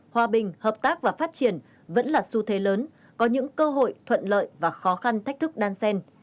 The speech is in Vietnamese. hòa bình hợp tác và phát triển vẫn là xu thế lớn có những cơ hội thuận lợi và khó khăn thách thức đan xen